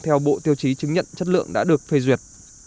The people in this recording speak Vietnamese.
theo bộ tiêu chí chứng nhận chất lượng đã được phê duyệt